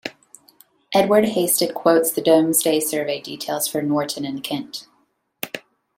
Edward Hasted quotes the Domesday Survey details for Norton in Kent.